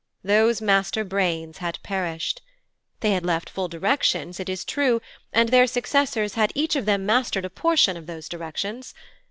Those master brains had perished. They had left full directions, it is true, and their successors had each of them mastered a portion of those directions.